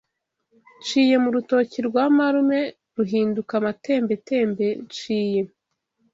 Nshiye mu rutoki rwa marume ruhinduka amatembetembe nshiye